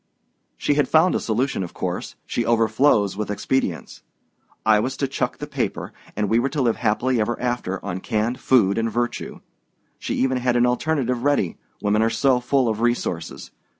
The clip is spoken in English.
"She had found a solution, of course she overflows with expedients. I was to chuck the paper, and we were to live happily ever afterward on canned food and virtue. She even had an alternative ready women are so full of resources!